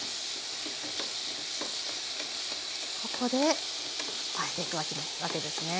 ここで加えていくわけですね。